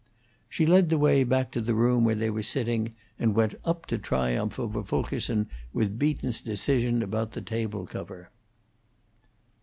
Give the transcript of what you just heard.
She led the way back to the room where they were sitting, and went up to triumph over Fulkerson with Beaton's decision about the table cover.